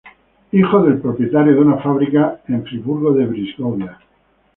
Hijo del propietario de una fábrica en Friburgo de Brisgovia.